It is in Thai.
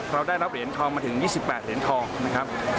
เราได้รับเหรียญทองมาถึง๒๘เหรียญทองนะครับ